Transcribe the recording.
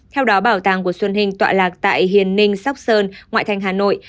theo đó bảo tàng của xuân hình tọa lạc tại hiền ninh sóc sơn ngoại thành hà nội